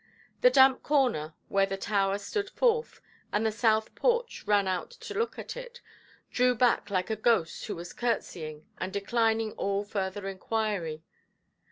The damp corner, where the tower stood forth, and the south porch ran out to look at it, drew back like a ghost who was curtseying, and declining all further inquiry.